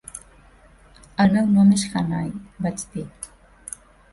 "El meu nom és Hannay" vaig dir.